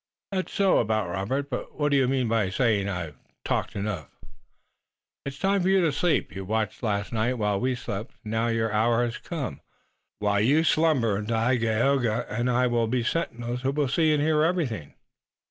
"That's so about Robert, but what do you mean by saying I've talked enough?" "It is time for you to sleep. You watched last night while we slept, and now your hour has come. While you slumber Dagaeoga and I will be sentinels who will see and hear everything."